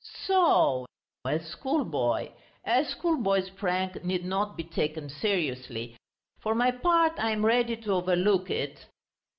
"So ... a schoolboy. A schoolboy's prank need not be taken seriously. For my part I am ready to overlook it...."